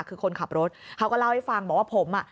คือคนขับรถเขาก็เล่าให้ฟังบอกว่าผมอ่ะ